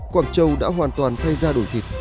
quảng châu đã hoàn toàn thay ra đổi thiệt